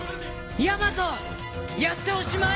舅臓やっておしまい！